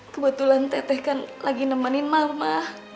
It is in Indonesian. kebetulan teteh kan lagi nemenin mama